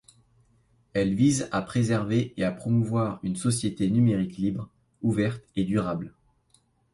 Elle vise à préserver et à promouvoir une société numérique libre, ouverte et durable.